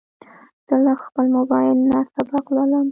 زه له خپل موبایل نه سبق لولم.